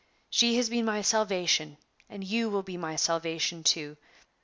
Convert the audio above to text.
She has been my salvation, and you will be my salvation too.